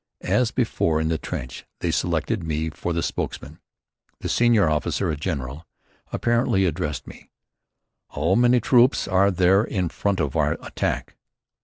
As before, in the trench, they selected me for the spokesman. The senior officer, a general apparently, addressed me: "How many troops are there in front of our attack?"